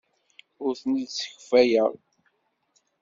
Ur ten-id-ssekfaleɣ.